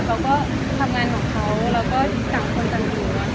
ทำงานของเขาก็จะจำคนกันดู